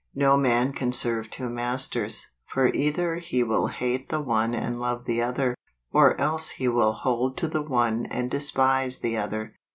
" Xo man can serve two masters: for either he will hate the one and love the other; or else he will hold to the one and despise the other.